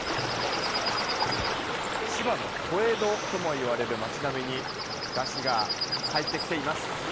千葉の小江戸ともいわれる街並みに山車が入ってきています。